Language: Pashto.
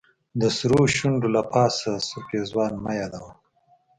د سرو شونډو له پاسه سور پېزوان مه يادوه